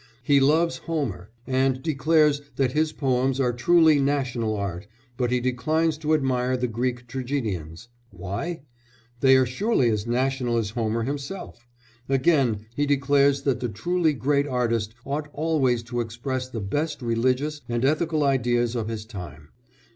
He loves Homer, and declares that his poems are truly national art, but he declines to admire the Greek tragedians. Why? They are surely as national as Homer himself. Again, he declares that the truly great artist ought always to express the best religious and ethical ideas of his time.